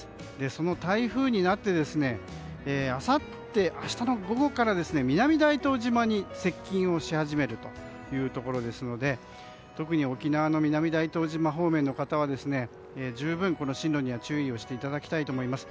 その台風になってあさって、明日の午後から南大東島に接近をし始めるというところですので特に沖縄の南大東島方面の方は十分進路には注意をしていただきたいと思います。